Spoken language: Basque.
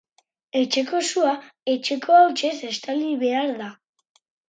Etxeko sua etxeko hautsez estali behar da.